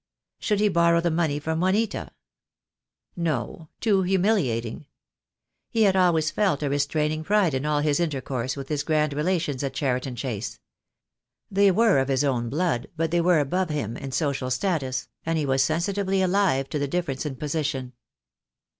Should he borrow the money from Juanita? No, too humiliating. He had always felt a restraining pride in all his intercourse with his grand relations at Cheriton Chase. They were of his own blood; but they were above him in social status, and he was sensitively alive to the difference in position.